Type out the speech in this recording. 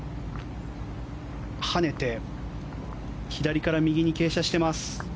跳ねて、左から右に傾斜しています。